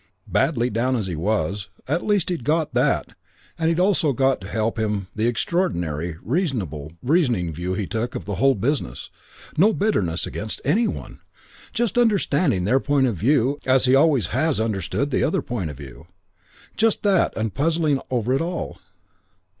Badly down as he was, at least he'd got that and he'd also got to help him the extraordinary, reasonable, reasoning view he took of the whole business: no bitterness against any one, just understanding their point of view as he always has understood the other point of view, just that and puzzling over it all.